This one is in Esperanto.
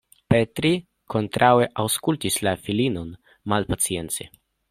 Petri, kontraŭe, aŭskultis la filinon malpacience.